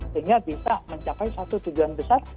sehingga bisa mencapai satu tujuan besar